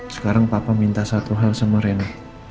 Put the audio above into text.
sekarang papa minta satu hal sama rena